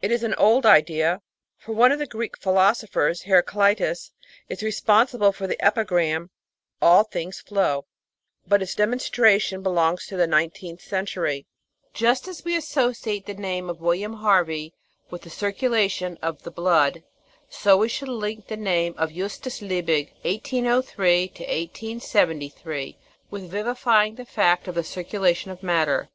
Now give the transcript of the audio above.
It is an old idea, for one of the Greek philosophers, Heraclitus, is responsible for the epigram "All things flow"; but its demonstra tion belongs to the nineteenth century. Just as we associate the name of William Harvey with the circulation of the blood, so we should link the name of Justus Liebig (1803 1873) with vivifying the fact of the circulation of matter.